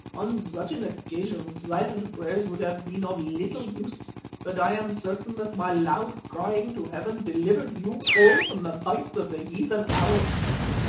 On such an occasion silent prayers would have been of little use, but I am certain that my loud crying to Heaven delivered you all from the bites of the heathen arrows."